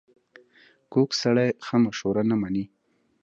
کوږ سړی ښه مشوره نه مني